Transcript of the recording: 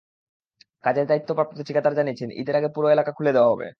কাজের দায়িত্বপ্রাপ্ত ঠিকাদার জানিয়েছেন, ঈদের আগে পুরো এলাকা খুলে দেওয়া হবে।